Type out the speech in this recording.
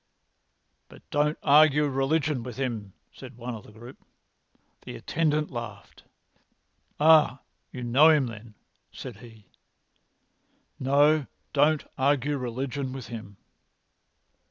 "But don't argue religion with him," said one of the group. The attendant laughed. "Ah, you know him, then," said he. "No, don't argue religion with him."